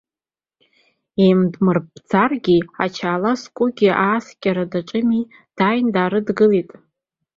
Еимдмырпӡаргьы, ачалаа зкугьы ааскьара даҿыми, дааины даарыдгылоит.